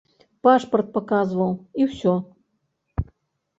Пашпарт паказваў, і ўсё.